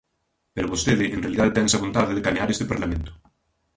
Pero vostede en realidade ten esa vontade de canear este Parlamento.